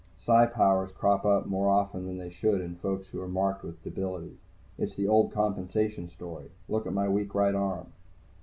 Psi powers crop up more often than they should in folks who are marked with a debility. It's the old compensation story. Look at my weak right arm.